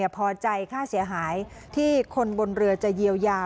พอใจค่าเสียหายที่คนบนเรือจะเยียวยา